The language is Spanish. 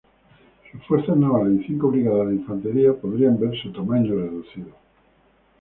Sus fuerzas navales y cinco brigadas de infantería podrían ver su tamaño reducido.